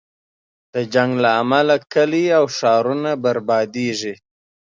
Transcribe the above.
د جنګ له امله کلی او ښارونه بربادېږي.